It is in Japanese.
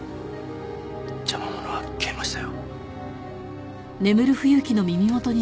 邪魔者は消えましたよ。